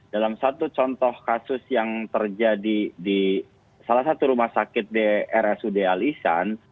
dalam satu contoh kasus yang terjadi di salah satu rumah sakit di rsud al ihsan